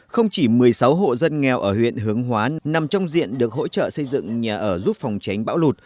không chỉ một mươi sáu hộ dân nghèo ở huyện hướng hóa nằm trong diện được hỗ trợ xây dựng nhà ở giúp phòng tránh bão lụt